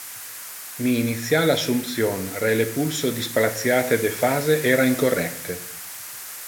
Mi initial assumption re le pulso displaciate de phase era incorrecte.